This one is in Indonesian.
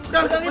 udah udah udah